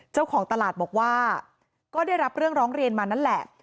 เจ้าของตลาดบอกว่าก็ได้รับเรื่องร้องเรียนมานั่นแหละ